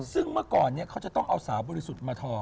ซึ่งเมื่อก่อนเขาจะต้องเอาสาวบริสุทธิ์มาทอ